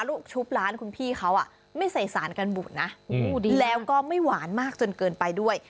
ชุบร้านคุณพี่เขาไม่ใส่สารกันบูดนะแล้วก็ไม่หวานมากจนเกินไปด้วย